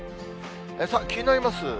さあ、気になります